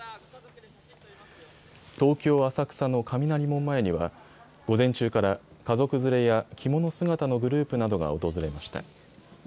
東京浅草の雷門前には午前中から家族連れや着物姿のグループなどが訪れました。